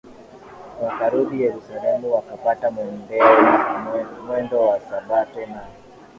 wakarudi Yerusalemu yapata mwendo wa sabato na